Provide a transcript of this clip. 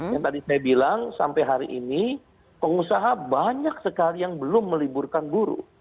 yang tadi saya bilang sampai hari ini pengusaha banyak sekali yang belum meliburkan guru